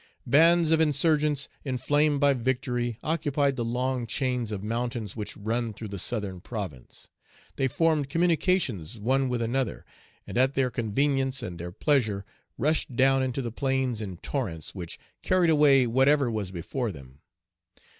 Bands of insurgents, inflamed by victory, occupied the long chains of mountains which run through the southern province. They formed communications, one with another, and at their convenience and their pleasure rushed down into the plains in torrents which carried away whatever was before them.